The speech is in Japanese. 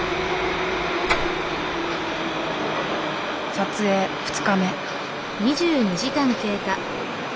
撮影２日目。